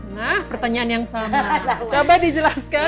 nah pertanyaan yang sama coba dijelaskan